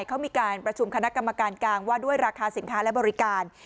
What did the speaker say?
เขามีการประชุมคณะกรรมการกลางว่าด้วยราคาสินค้าและบริการ